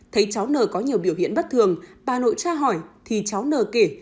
thấy cháu nở có nhiều biểu hiện bất thường bà nội tra hỏi thì cháu nở kể